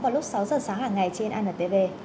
vào lúc sáu h sáng hàng ngày trên anntv